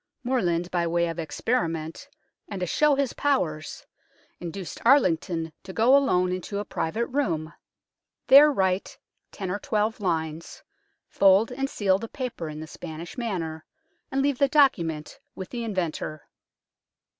Morland, by way of experiment, and to show his powers, induced Arlington to go alone into a private room, there 208 UNKNOWN LONDON write ten or twelve lines, fold and seal the paper in the Spanish manner, and leave the document with the inventor.